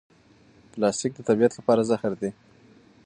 پلاستیک د طبیعت لپاره زهر دی.